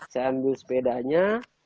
saya ambil sepedanya